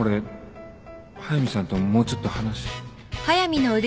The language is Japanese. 速見さんともうちょっと話